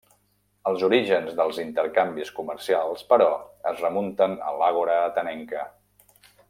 Els orígens dels intercanvis comercials, però, es remunten a l'àgora atenenca.